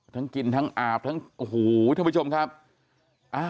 กินทั้งอาบทั้งโอ้โหท่านผู้ชมครับอ่า